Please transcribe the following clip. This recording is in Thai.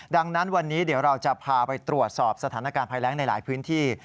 ดังนั้นวันนี้เดี๋ยวเราจะพาไปตรวจสอบสถานการณ์ภัยแรงในหลายพื้นที่